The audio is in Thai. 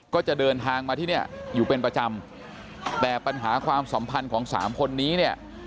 ก็จะเดินทางมาที่เนี่ยอยู่เป็นประจำแต่ปัญหาความสัมพันธ์ของสามคนนี้เนี่ย